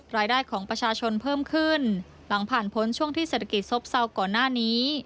รายได้ของประชาชนเพิ่มขึ้นหลังผ่านพ้นช่วงที่เศรษฐกิจซบเศร้าก่อนหน้านี้